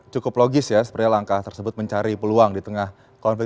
cukup logis ya sepertinya langkah tersebut mencari peluang di tengah konflik